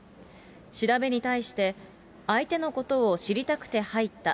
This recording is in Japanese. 調べに対して、相手のことを知りたくて入った。